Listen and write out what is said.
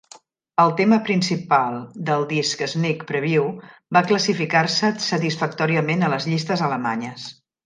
El tema principal del disc, "Sneak Preview", va classificar-se satisfactòriament a les llistes alemanyes.